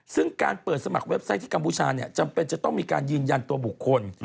ซึ่งการเปิดสมัครเว็บไซต์ที่กัมพูชาจำเป็นจะต้องมีการยืนยันตัวบุคคล